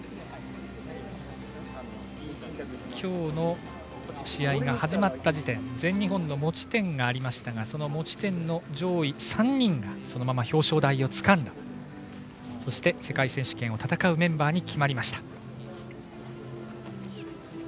今日の試合が始まった時点全日本の持ち点がありましたがその持ち点の上位３人がそのまま表彰台をつかんでそして、世界選手権を戦うメンバーに決まりました。